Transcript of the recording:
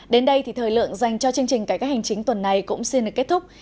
đến đây thì thời lượng dành cho chương trình cải cách hành chính tuần này cũng xin được kết thúc